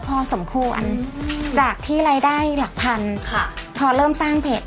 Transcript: พอสมควรจากที่รายได้หลักพันค่ะพอเริ่มสร้างเพจ